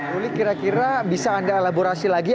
ruli kira kira bisa anda elaborasi lagi